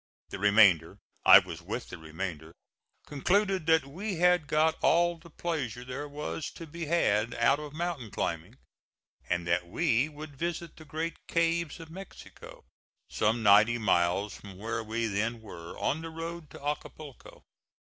The remainder I was with the remainder concluded that we had got all the pleasure there was to be had out of mountain climbing, and that we would visit the great caves of Mexico, some ninety miles from where we then were, on the road to Acapulco.